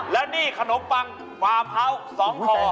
แล้วนี่ขนมปังวาเภา๒คอ